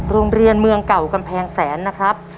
โรงเรียนเมืองเก่ากำแพงแสนนะครับ